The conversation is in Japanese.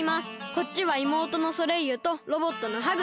こっちはいもうとのソレイユとロボットのハグ。